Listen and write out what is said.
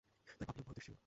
তাই ভাবলাম হয়ত এসেছিল।